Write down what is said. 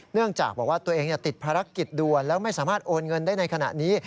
เนื่องจากบอกว่าตัวเองติดภารกิจด่วนแล้วไม่สามารถโอนเงินได้ในขณะนี้